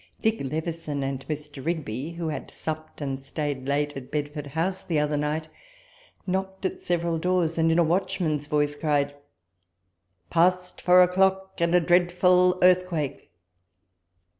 Dick Leveson and Mr. Rigby, who had supped and stayed hite at Bedford House the other night, knocked at several doors, and in a watchman's voice cried, " Past four o'clock, and a dreadful earthquake!